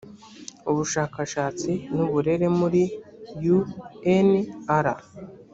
ubushakashatsi n uburere muri unr